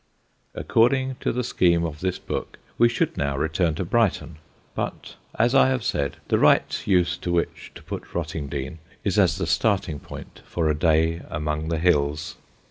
According to the scheme of this book, we should now return to Brighton; but, as I have said, the right use to which to put Rottingdean is as the starting point for a day among the hills.